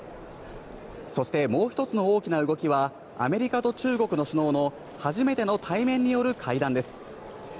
そして、もう一つの大きな動きはアメリカと中国の首脳の初めての対面による会談です。